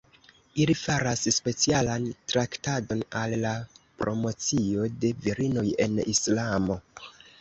Ili faras specialan traktadon al la promocio de virinoj en Islamo.